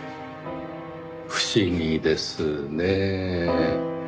不思議ですねぇ。